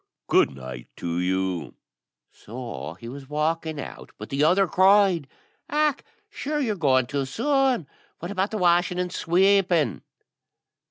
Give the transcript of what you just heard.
Good night to you." So he was walking out, but the other cried, "Och! sure your going too soon. What about the washing and sweeping?"